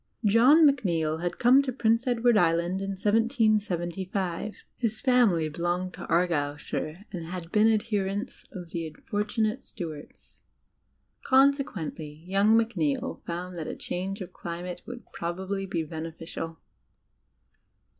John Macneill had come to Prince Edward Island in 1775; his family belonged to Argyleshire and had been adherents of the unfortunate Stuarts. Consequently, young Macneill found that a change of climate would probably be benefi cial.